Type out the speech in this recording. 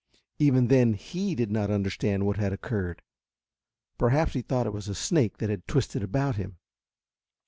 Even then he did not understand what had occurred. Perhaps he thought it was a snake that had twisted about him.